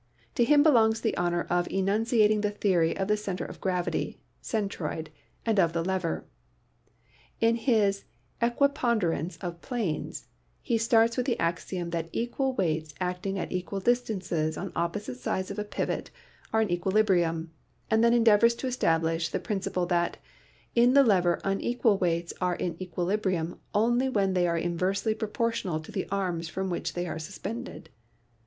To him belongs the honor of enunciating the theory of the center of gravity (centroid) and of the lever. In his 'Equiponderance of Planes' he starts with the axiom that equal weights acting at equal distances on opposite sides of a pivot are in equi librium, and then endeavors to establish the principle that "in the lever unequal weights are in equilibrium only when they are inversely proportional to the arms from which they are suspended."